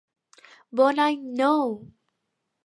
Bon any nou!